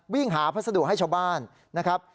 วิ่งหาพัสดุให้ชาวบ้านนะครับ